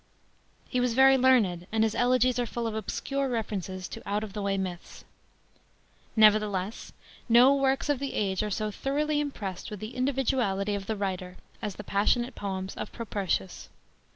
He was very learned, and his elegies are full of obscure references to out of the way myths. Nevertheless no works of the age are so thoroughly impressed with the individuality of the writer as the passionate j>oenis of Propertius.